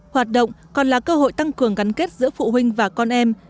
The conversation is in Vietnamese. hoạt động còn là cơ hội tăng cường gắn kết giữa phụ huynh và con em